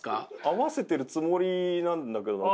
合わせてるつもりなんだけどな。